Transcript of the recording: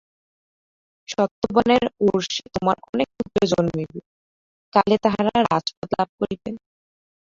সত্যবানের ঔরসে তোমার অনেক পুত্র জন্মিবে, কালে তাহারা রাজপদ লাভ করিবে।